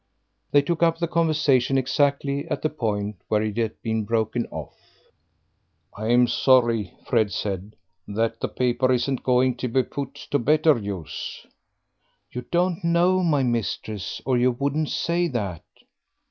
They took up the conversation exactly at the point where it had been broken off. "I'm sorry," Fred said, "that the paper isn't going to be put to better use." "You don't know my mistress, or you wouldn't say that."